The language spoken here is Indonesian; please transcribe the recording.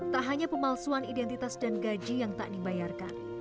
tak hanya pemalsuan identitas dan gaji yang tak dibayarkan